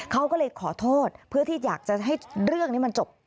เขาก็เลยขอโทษเพื่อที่อยากจะให้เรื่องนี้มันจบ